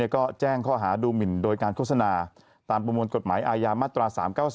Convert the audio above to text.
ก็แจ้งข้อหาดูหมินโดยการโฆษณาตามประมวลกฎหมายอาญามาตรา๓๙๓